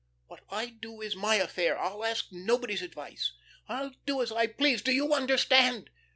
What I do is my affair; I'll ask nobody's advice. I'll do as I please, do you understand?"